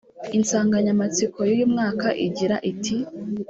Insanganyamatsiko y’uyu mwaka igira iti